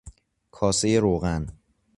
کاسه روغن